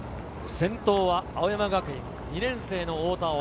先頭は青山学院２年生の太田蒼生。